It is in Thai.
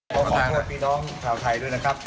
ขอขอบคุณเน้องชาวไทยด้วยนะครับ